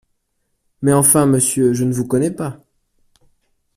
Mais enfin, monsieur, je ne vous connais pas.